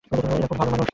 এরা খুব ভালো মানুষ।